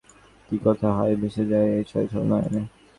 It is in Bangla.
কী কথা হায় ভেসে যায় ওই ছলছল নয়নে!